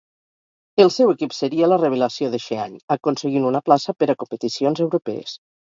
El seu equip seria la revelació d'eixe any, aconseguint una plaça per a competicions europees.